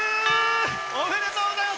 おめでとうございます。